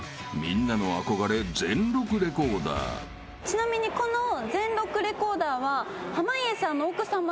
ちなみにこの全録レコーダーは。